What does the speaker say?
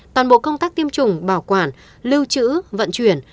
toàn bộ công tác tiêm chủng bảo quản lưu trữ vận chuyển